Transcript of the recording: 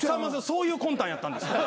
そういう魂胆やったんですか？